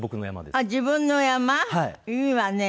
あっ自分の山？いいわね。